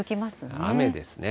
雨ですね。